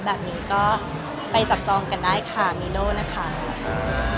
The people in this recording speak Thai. แบบนี้ก็ไปจับตรองกันได้ค่ะนะคะเอ่อเอาให้ก่อนเริ่มเรื่องพิเกณฑ์ก็ค่ะ